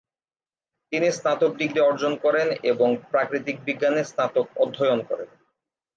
তিনি স্নাতক ডিগ্রি অর্জন করেন এবং প্রাকৃতিক বিজ্ঞানে স্নাতক অধ্যয়ন করেন।